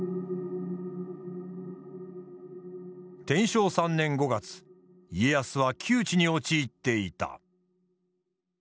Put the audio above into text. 天正３年５月家康は窮地に陥っていた。